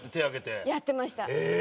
広瀬：やってました。